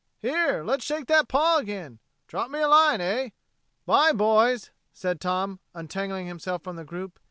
Here, let's shake that paw again. Drop me a line, eh?" "'By, boys," said Tom, untangling, himself from the group.